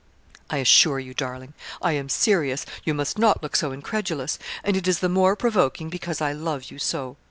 'I assure you, darling, I am serious; you must not look so incredulous; and it is the more provoking, because I love you so.